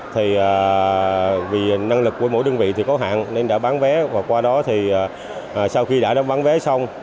thì vì năng lực của mỗi đơn vị thì có hạn nên đã bán vé và qua đó thì sau khi đã bán vé xong